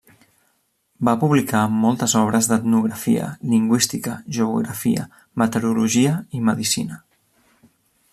Va publicar moltes obres d'etnografia, lingüística, geografia, meteorologia i medicina.